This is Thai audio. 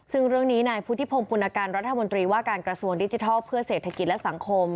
ซึ่งเรื่องนี้นายพุทธิพงศ์ปุณกันรัฐมนตรีว่าการกระทรวงดิจิทัลเพื่อเศรษฐกิจและสังคม